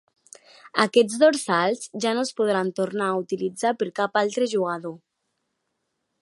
Aquests dorsals ja no es podran tornar a utilitzar per cap altre jugador.